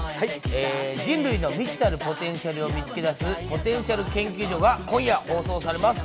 人類の未知なるポテンシャルを見つけ出す『ポテンシャル研究所』が今夜放送されます。